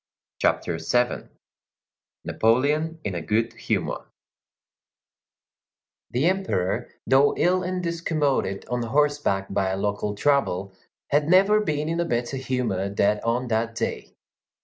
CHAPTER VII—NAPOLEON IN A GOOD HUMOR The Emperor, though ill and discommoded on horseback by a local trouble, had never been in a better humor than on that day.